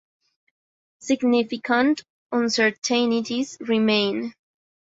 Significant uncertainties remain.